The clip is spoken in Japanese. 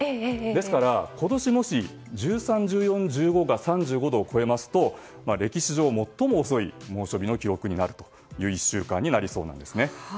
ですから、今年もし１３日、１４日、１５日が３５度を超えますと歴史上最も遅い猛暑日の記録になるという１週間になりそうなんですね。